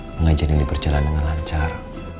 pengajian ini berjalan dengan lancar